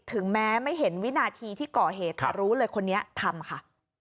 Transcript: ถึงแม้ไม่เห็นวินาทีที่ก่อเหตุแต่รู้เลยคนนี้ทำค่ะ